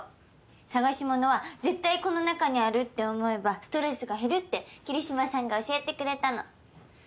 捜し物は絶対この中にあるって思えばストレスが減るって桐島さんが教えてくれたの。